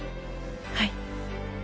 はい。